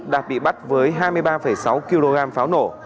đạt bị bắt với hai mươi ba sáu kg pháo nổ